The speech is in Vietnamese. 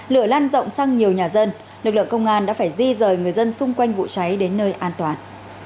lửa lan rộng sang nhiều nhà dân lực lượng công an đã phải di rời người dân xung quanh vụ cháy đến nơi an toàn